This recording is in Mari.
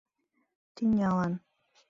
Тӱнялан